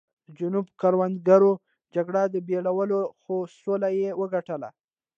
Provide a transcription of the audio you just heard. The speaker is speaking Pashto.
د جنوب کروندګرو جګړه بایلوله خو سوله یې وګټله.